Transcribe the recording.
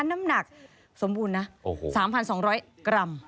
น้ำหนักสมบูรณ์นะ๓๒๐๐กรัม